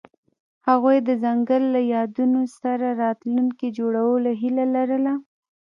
هغوی د ځنګل له یادونو سره راتلونکی جوړولو هیله لرله.